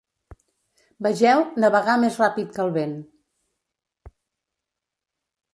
Vegeu "Navegar més ràpid que el vent".